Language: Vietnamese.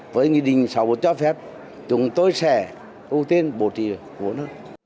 với nghị định sáu mươi một cho phép chúng tôi sẽ ưu tiên bổ trì vốn